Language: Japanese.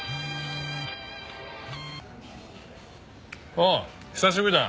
おう久しぶりだな。